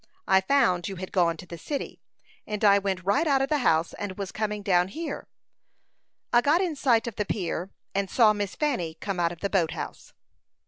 I found you had gone to the city, and I went right out of the house, and was coming down here. I got in sight of the pier, and saw Miss Fanny come out of the boat house."